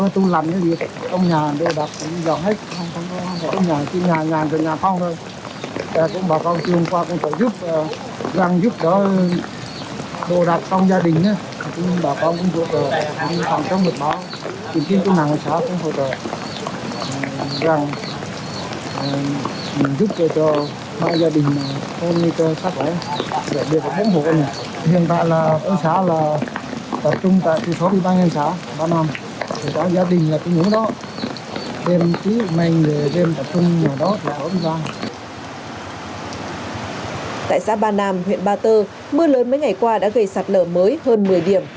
tại xã ba nam huyện ba tơ mưa lớn mấy ngày qua đã gây sạt lở mới hơn một mươi điểm